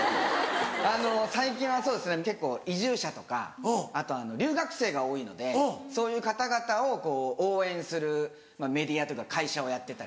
あの最近はそうですね結構移住者とかあと留学生が多いのでそういう方々を応援するメディアとか会社をやってたりとか。